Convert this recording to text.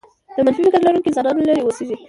د منفي فكر لرونکو انسانانو لرې اوسېږئ.